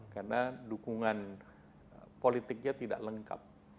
karena dukungan politiknya tidak lengkap